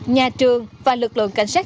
nhà trường và lực lượng cảnh sát